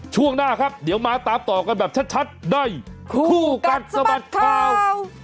ช่วงหน้าครับเดี๋ยวมาตามต่อกันแบบชัดในคู่กัดสะบัดข่าว